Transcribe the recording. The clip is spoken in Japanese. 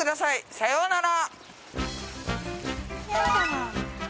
さようなら。